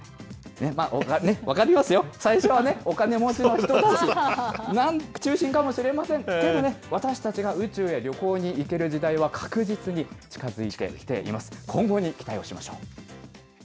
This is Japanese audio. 分かりますよ、最初はね、お金持ちの人たち中心かもしれませんけどね、私たちが宇宙へ旅行に行ける時代は確実に近づいてきています。